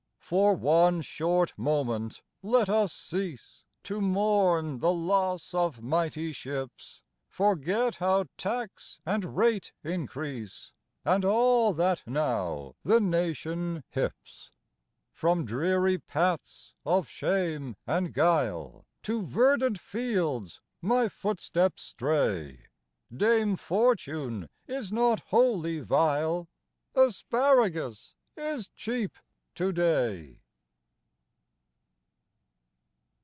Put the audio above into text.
For one short moment let us cease To mourn the loss of mighty sliips — Forget how tax and rate increase, And alt that now the nation " hips." From dreary paths of shame and guile. To verdant fields my^footsteps stray, Dame Fortune is not wholly vile :" Asparagus is cheap to day."